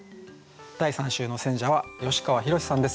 第３週の選者は吉川宏志さんです。